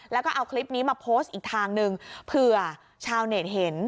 แล้วก็เอาคลิปนี้มาโพสต์อีกทางหนึ่งเผื่อชาวเน็ตเห็น